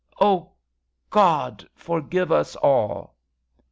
. O God, forgive us all